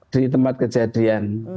di tempat kejadian